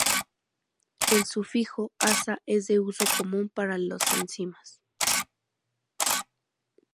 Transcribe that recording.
El sufijo -asa es de uso común para las enzimas.